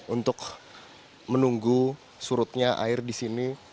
untuk menunggu surutnya air di sini